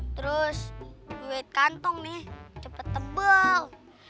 terus duit kantong nih cepet tebel